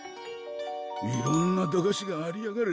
いろんな駄菓子がありやがる！